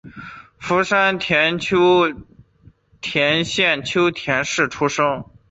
福山町秋田县秋田市出生。